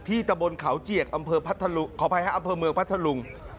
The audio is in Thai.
ที่ตะบลเขาเจียกอำเภอเมืองพัทธลุง